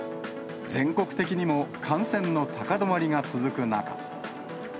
全国的にも感染の高止まりが続く中。